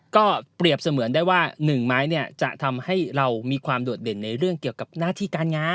ก็เปรียบเสมือนได้ว่า๑ไม้เนี่ยจะทำให้เรามีความโดดเด่นในเรื่องเกี่ยวกับหน้าที่การงาน